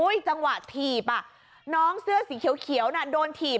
โอ้โฮจังหวะถีบน้องเสื้อสีเขียวโดนถีบ